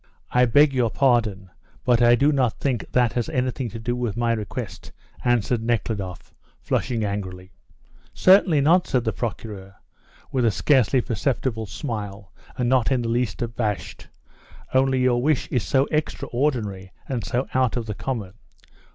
"I beg your pardon, but I do not think that has anything to do with my request," answered Nekhludoff, flushing angrily. "Certainly not," said the Procureur, with a scarcely perceptible smile and not in the least abashed; "only your wish is so extraordinary and so out of the common."